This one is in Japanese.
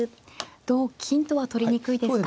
同金とは取りにくいですか。